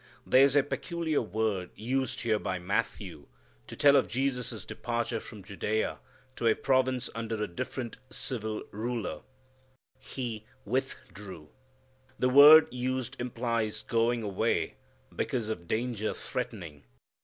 There's a peculiar word used here by Matthew to tell of Jesus' departure from Judea to a province under a different civil ruler; "He withdrew." The word used implies going away because of danger threatening.